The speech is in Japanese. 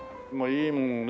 いいものをね